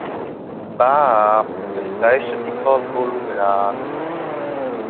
Bab, per Tei, sche Ti pos buca luvrar!